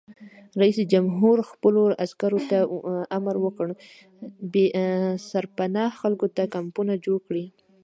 رئیس جمهور خپلو عسکرو ته امر وکړ؛ بې سرپناه خلکو ته کمپونه جوړ کړئ!